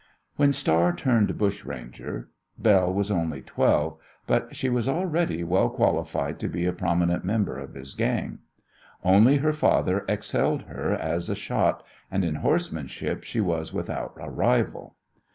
When Star turned bushranger Belle was only twelve, but she was already well qualified to be a prominent member of his gang. Only her father excelled her as a shot, and in horsemanship she was without a rival.